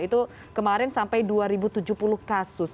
itu kemarin sampai dua ribu tujuh puluh kasus